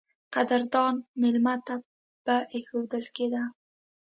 قدردان مېلمه ته به اېښودل کېده.